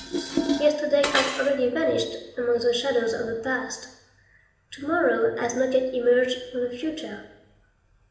Yesterday has already vanished among the shadows of the past; to morrow has not yet emerged from the future.